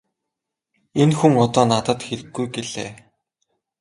Энэ хүн одоо надад хэрэггүй -гэлээ.